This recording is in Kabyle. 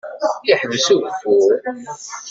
Iḥbes ugeffur.